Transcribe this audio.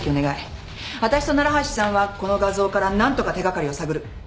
わたしと奈良橋さんはこの画像から何とか手掛かりを探る。